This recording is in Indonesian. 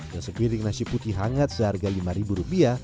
dan sepiring nasi putih hangat seharga rp lima